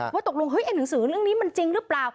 ว่าตกลงหนังสือเรื่องนี้มันจริงหรือเปล่า